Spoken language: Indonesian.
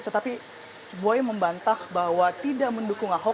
tetapi boy membantah bahwa tidak mendukung ahok